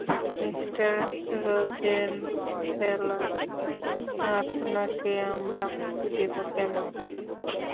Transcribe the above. Mister Rosenthaler, আপনাকে আমরা মুক্তি দেবো কেন?